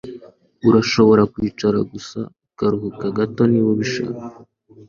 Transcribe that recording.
Urashobora kwicara gusa ukaruhuka gato niba ubishaka